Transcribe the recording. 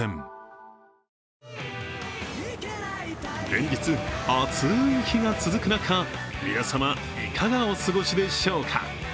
連日、暑い日が続く中皆様、いかがお過ごしでしょうか。